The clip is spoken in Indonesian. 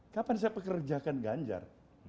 kapan saya pekerjakan ganjar